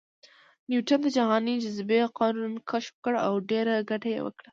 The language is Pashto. نیوټن د جهاني جاذبې قانون کشف کړ او ډېره ګټه یې وکړه